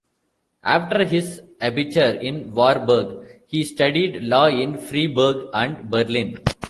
After his "Abitur" in Warburg he studied law in Freiburg and Berlin.